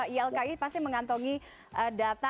ydki pasti mengantongi data apa yang diberikan